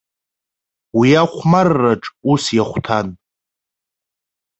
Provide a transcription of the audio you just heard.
Уи ахәмарраҿ ус иахәҭан.